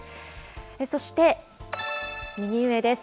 そして、右上です。